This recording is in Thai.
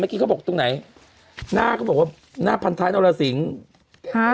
เมื่อกี้เขาบอกตรงไหนหน้าก็บอกว่าหน้าพันท้ายนรสิงศ์